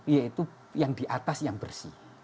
yaitu yang di atas yang bersih